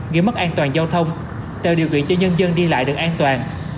ghi mất an toàn giao thông tờ điều kiện cho nhân dân đi lại được an toàn